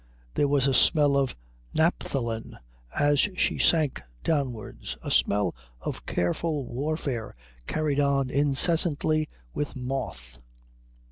There was a smell of naphthalin as she sank downwards, a smell of careful warfare carried on incessantly with moth.